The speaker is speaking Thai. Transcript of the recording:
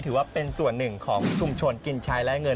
ถือว่าเป็นส่วนหนึ่งของชุมชนกินใช้และเงิน